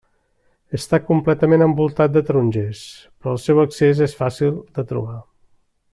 Està completament envoltat de tarongers, però el seu accés és fàcil de trobar.